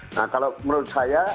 nah kalau menurut saya